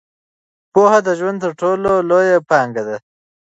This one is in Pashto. پوهه د ژوند تر ټولو لویه پانګه ده.